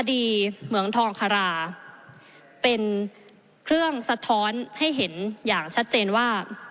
เหมืองทองคาราเป็นเครื่องสะท้อนให้เห็นอย่างชัดเจนว่า